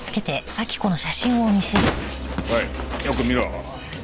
おいよく見ろ。